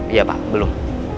iya pak belum